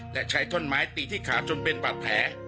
และใช้ท่อนไม้ตีที่ขาจนเป็นบาดแผล